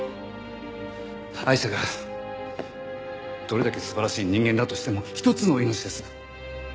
アイシャがどれだけ素晴らしい人間だとしてもひとつの命です。